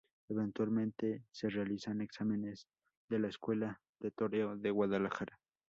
Eventualmente se realizan exámenes de la Escuela de Toreo de Guadalajara.